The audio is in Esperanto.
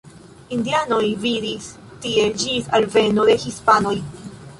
Indianoj vivis tie ĝis alveno de hispanoj.